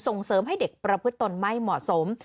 ส่งเสริมให้เด็กประพฤติตนไม่เหมาะสม